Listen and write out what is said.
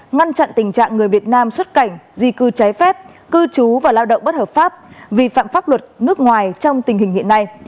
ngăn chặn tình trạng người việt nam xuất cảnh di cư trái phép cư trú và lao động bất hợp pháp vi phạm pháp luật nước ngoài trong tình hình hiện nay